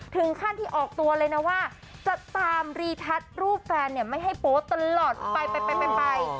ถึงขั้นที่ออกตัวเลยนะว่าจะตามรีทัศน์รูปแฟนเนี่ยไม่ให้โป๊ตลอดไป